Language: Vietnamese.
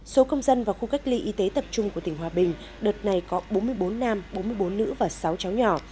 số công dân vào khu cách ly y tế tập trung của tỉnh hòa bình đợt này có bốn mươi bốn nam bốn mươi bốn nữ và sáu cháu nhỏ